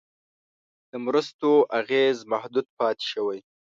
د مرستو اغېز محدود پاتې شوی.